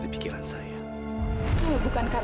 amirah ibu kok bisa keluar